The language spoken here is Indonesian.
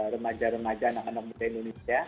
remaja remaja anak anak muda indonesia